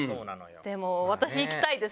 でも私いきたいです